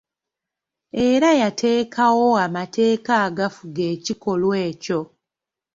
Era yateekawo amateeka agafuga ekikolwa ekyo.